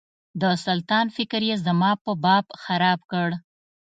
د سلطان فکر یې زما په باب خراب کړ.